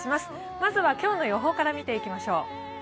まずは今日の予報から見ていきましょう。